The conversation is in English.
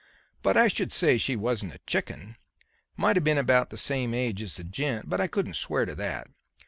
But I should say she wasn't a chicken. Might have been about the same age as the gent, but I couldn't swear to that.